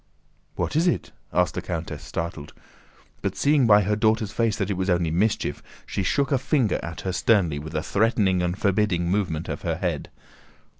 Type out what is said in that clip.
"What is it?" asked the countess, startled; but seeing by her daughter's face that it was only mischief, she shook a finger at her sternly with a threatening and forbidding movement of her head.